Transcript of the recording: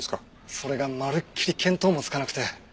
それがまるっきり見当もつかなくて。